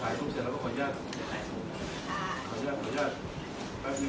หรือเพื่อที่ด่๗๓กรัศน์